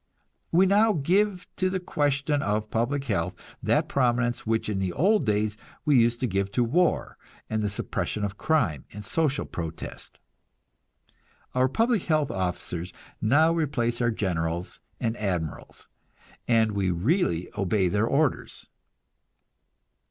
We now give to the question of public health that prominence which in the old days we used to give to war and the suppression of crime and social protest. Our public health officers now replace our generals and admirals, and we really obey their orders.